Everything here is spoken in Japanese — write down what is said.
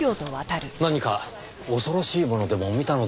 何か恐ろしいものでも見たのでしょうかねぇ？